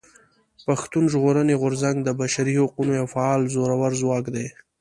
پښتون ژغورني غورځنګ د بشري حقونو يو فعال زورور ځواک دی.